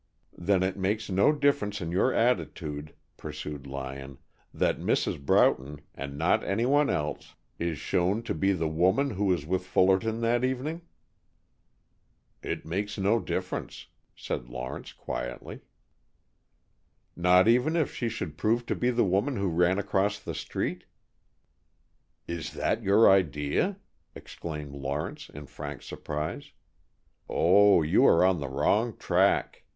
"Then it makes no difference in your attitude," pursued Lyon, "that Mrs. Broughton and not anyone else is shown to be the woman who was with Fullerton that evening?" "It makes no difference," said Lawrence, quietly. "Not even if she should prove to be the woman who ran across the street?" "Is that your idea?" exclaimed Lawrence, in frank surprise. "Oh, you are on the wrong track.